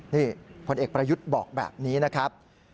นี่ผลเอกประยุทธ์บอกแบบนี้นะครับ